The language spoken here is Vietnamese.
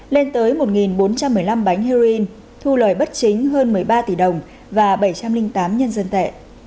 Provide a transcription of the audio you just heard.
lên tới một bốn trăm một mươi năm bánh heroin thu lời bất chính hơn một mươi ba tỷ đồng và bảy trăm linh tám nhân dân tệ